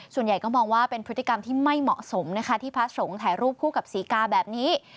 ส่วนใหญ่ก็มองว่าเป็นพฤติกรรมที่ไม่เหมาะสมนะคะที่พระสงฆ์ถ่ายรูปคู่กับศรีกาแบบนี้